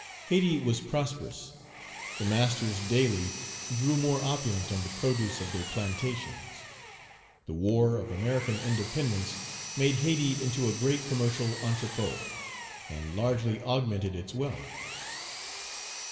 Hayti was prosperous. The masters daily grew more opulent on the produce of their plantations. The war of American independence made Hayti into a great commercial entrepôt, and largely augmented its wealth.